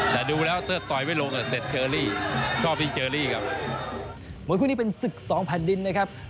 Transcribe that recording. มวยคู่นี้เป็น๑๒แผ่นดินนะครับ